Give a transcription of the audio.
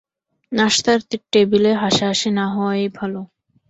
নাশতার টেবিলে হাসাহসি না-হওয়াই ভালো।